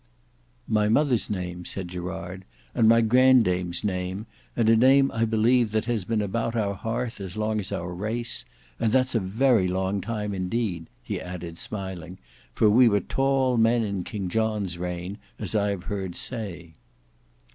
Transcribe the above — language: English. "My mother's name," said Gerard; "and my grandame's name, and a name I believe that has been about our hearth as long as our race; and that's a very long time indeed," he added smiling, "for we were tall men in King John's reign, as I have heard say."